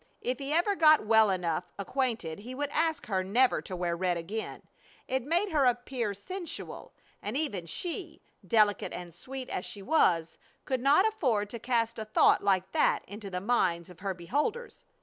If he ever got well enough acquainted he would ask her never to wear red again; it made her appear sensual; and even she, delicate and sweet as she was, could not afford to cast a thought like that into the minds of her beholders.